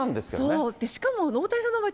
そう、しかも大谷さんの場合、